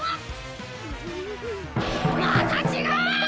また違う！